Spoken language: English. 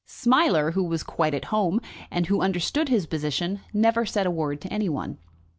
Smiler, who was quite at home, and who understood his position, never said a word to any one.